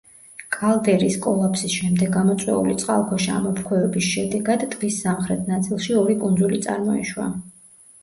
კალდერის კოლაფსის შემდეგ გამოწვეული წყალქვეშა ამოფრქვევების შედეგად ტბის სამხრეთ ნაწილში ორი კუნძული წარმოიშვა.